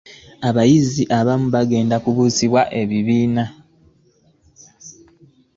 Abayizi abamu bagenda kubuusibwa ebibiina.